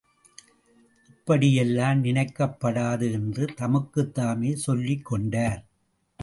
இப்படியெல்லாம் நினைக்கப் படாது என்று தமக்குத்தாமே சொல்லிக்கொண்டார்.